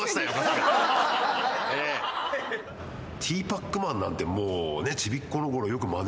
ティーパックマンなんてもうねチビっ子のころよくまねして。